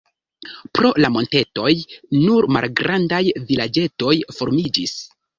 Pro la montetoj nur malgrandaj vilaĝetoj formiĝis.